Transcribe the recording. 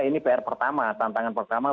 ini pr pertama tantangan pertama